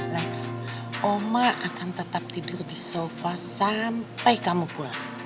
lex oma akan tetap tidur di sofa sampai kamu pulang